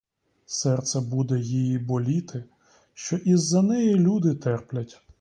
Серце буде її боліти, що із-за неї люди терплять.